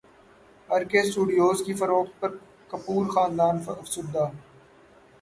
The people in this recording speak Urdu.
ار کے اسٹوڈیوز کی فروخت پر کپور خاندان افسردہ